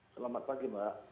selamat pagi mbak